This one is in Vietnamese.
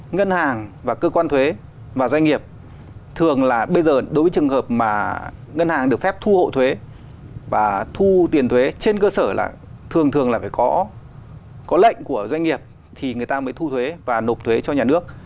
ngân hàng và cơ quan thuế và doanh nghiệp thường là bây giờ đối với trường hợp mà ngân hàng được phép thu hộ thuế và thu tiền thuế trên cơ sở là thường thường là phải có lệnh của doanh nghiệp thì người ta mới thu thuế và nộp thuế cho nhà nước